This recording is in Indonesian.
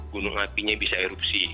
gunung apinya bisa erupsi